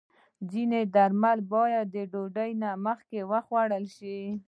ځینې درمل باید د ډوډۍ مخکې وخوړل شي.